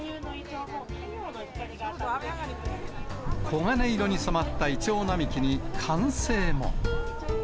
黄金色に染まったイチョウ並木に歓声も。